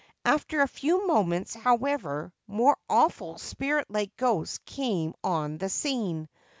After a few moments, however, more awful spirit like ghosts came on the scene.